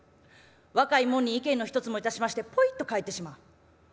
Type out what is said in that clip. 若い者に意見の一つもいたしましてポイと帰ってしまう。